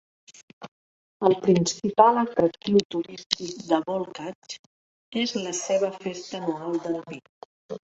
El principal atractiu turístic de Volkach és la seva festa anual del vi.